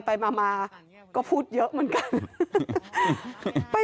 ไปมาก็พูดเยอะเหมือนกัน